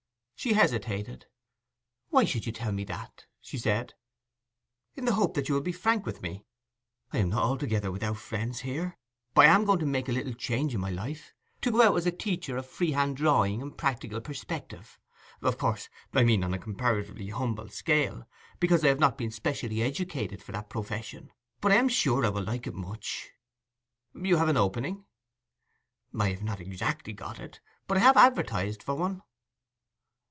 She hesitated. 'Why should you tell me that?' she said. 'In the hope that you will be frank with me.' 'I am not altogether without friends here. But I am going to make a little change in my life—to go out as a teacher of freehand drawing and practical perspective, of course I mean on a comparatively humble scale, because I have not been specially educated for that profession. But I am sure I shall like it much.' 'You have an opening?' 'I have not exactly got it, but I have advertised for one.